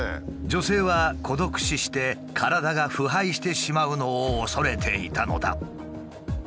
女性は孤独死して体が腐敗してしまうのを恐れていたのだ。